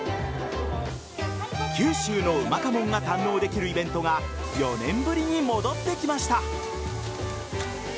九州のうまかもんが堪能できるイベントが４年ぶりに戻ってきました。